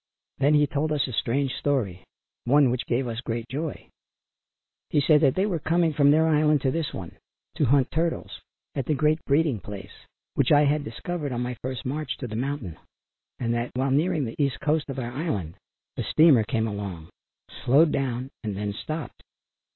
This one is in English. Then he told us a strange story, one which gave us great joy. He said that they were coming from their island to this one to hunt turtles, at the great breeding place which I had discovered on my first march to the mountain, and that, while nearing the east coast of our island a steamer came along, slowed down and then stopped.